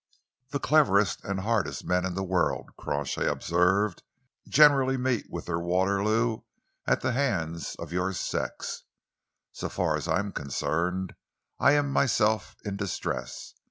"The cleverest and hardest men in the world," Crawshay observed, "generally meet with their Waterloo at the hands of your sex. So far as I am concerned, I am myself in distress.